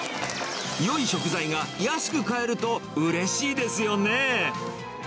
よい食材が安く買えるとうれしいですよね。